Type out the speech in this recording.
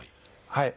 はい。